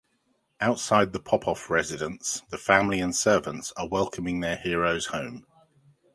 Outside the Popoff residence the family and servants are welcoming their heroes home.